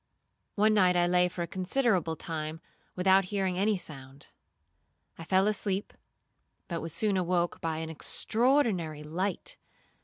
'One night I lay for a considerable time without hearing any sound. I fell asleep, but was soon awoke by an extraordinary light.